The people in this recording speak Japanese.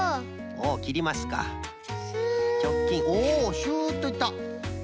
おおシュッといった！